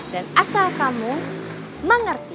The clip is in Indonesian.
dan asal kamu mengerti dan mengerti